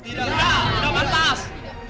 tidak tidak pantas